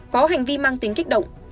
có hành vi mang tính kích động